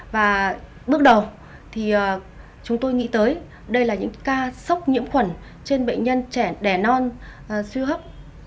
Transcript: và bước đầu thì chúng tôi nghĩ tới đây là những ca sốc nhiễm khuẩn trên bệnh nhân trẻ đẻ non suy hấp